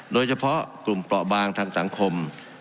โดยเฉพาะกลุ่มเปราะบางทางสังคม